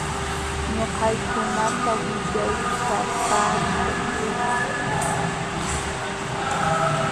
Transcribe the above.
Ñuqaykunata willaykapaamay.